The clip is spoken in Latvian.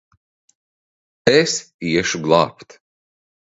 Es iešu glābt!